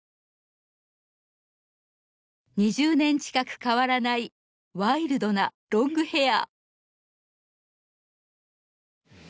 ２０年近く変わらないワイルドなロングヘア。